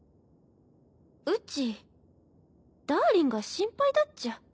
うちダーリンが心配だっちゃ。